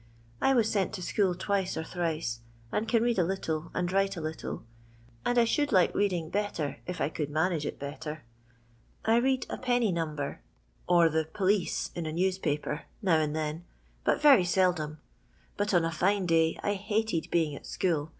I was sent to school twice or thrice, and can read a little and write a little; and I should like reading better if I could manage it batter. I read a penny number, 66 LONDON LABOUR AND THE LONDON POOR. or the 'police' in a newspaper, now and then, but Tory Mldom. But on a fine day I hated being at school.